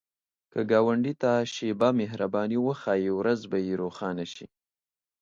که ګاونډي ته شیبه مهرباني وښایې، ورځ به یې روښانه شي